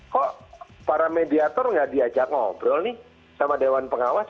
kok para mediator nggak diajak ngobrol nih sama dewan pengawas